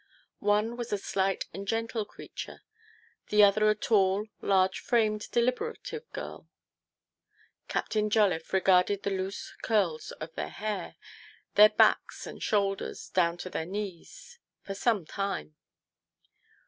One was a slight and gentle creature, the other a tall, large framed, deliberative girl. Captain Jolliffe regarded the loose curls of their hair, their backs and shoulders, down to their heels, for some time.